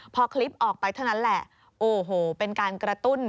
พอคลิปออกไปเท่านั้นแหละโอ้โหเป็นการกระตุ้น